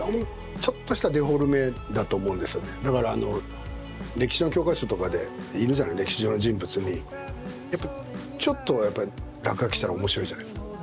だからあの歴史の教科書とかでいるじゃない歴史上の人物にちょっとやっぱり落書きしたら面白いじゃないですか。